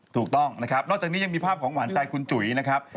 ถูกต้องนะครับนอกจากนี้ยังมีภาพของหวานใจคุณจุ๋ยนะครับ